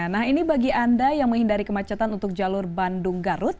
nah ini bagi anda yang menghindari kemacetan untuk jalur bandung garut